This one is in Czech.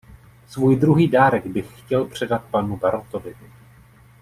Svůj druhý dárek bych chtěl předat panu Barrotovi.